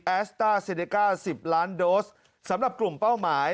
สต้าเซเนก้าสิบล้านโดสสำหรับกลุ่มเป้าหมาย